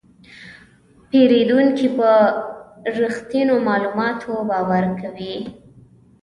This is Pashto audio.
پیرودونکی په رښتینو معلوماتو باور کوي.